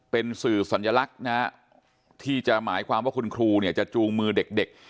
เป็นสื่อสัญลักษณ์นะฮะที่จะหมายความว่าคุณครูเนี่ยจะจูงมือเด็ก